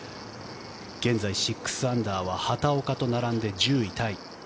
現在、６アンダーは畑岡と並んで１０位タイ。